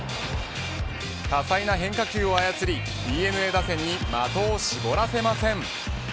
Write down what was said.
多彩な変化球を操るＤｅＮＡ打線に的を絞らせません。